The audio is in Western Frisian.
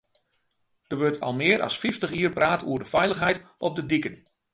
Der wurdt al mear as fyftich jier praat oer de feilichheid op de diken.